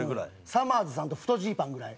さまぁずさんと太ジーパンぐらい。